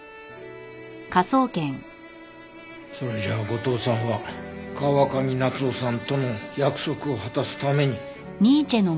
それじゃあ後藤さんは川上夏夫さんとの約束を果たすために。